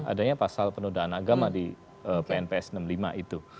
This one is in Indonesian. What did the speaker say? adanya pasal penodaan agama di pnps enam puluh lima itu